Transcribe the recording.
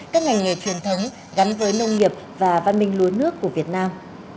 các ngành nghề truyền thống gắn với nông nghiệp và văn minh lúa nước của việt nam